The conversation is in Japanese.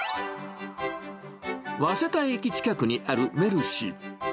早稲田駅近くにあるメルシー。